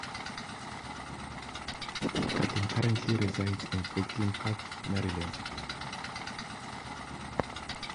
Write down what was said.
Cadden Currently resides in Brooklyn Park, Maryland.